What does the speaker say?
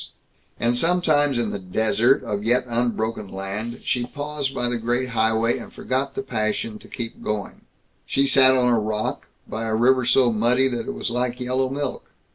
And sometimes in the "desert" of yet unbroken land she paused by the Great Highway and forgot the passion to keep going She sat on a rock, by a river so muddy that it was like yellow milk.